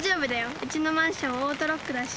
うちのマンションオートロックだし。